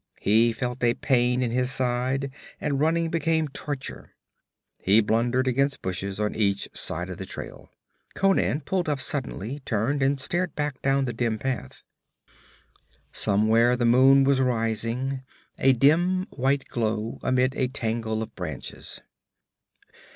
He felt a pain in his side, and running became torture. He blundered against the bushes on each side of the trail. Conan pulled up suddenly, turned and stared back down the dim path. Somewhere the moon was rising, a dim white glow amidst a tangle of branches.